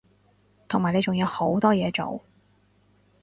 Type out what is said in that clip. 同埋你仲有好多嘢做